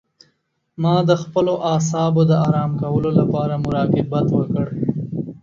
ما د خپلو اعصابو د آرام کولو لپاره مراقبت وکړ.